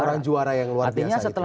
seorang juara yang luar biasa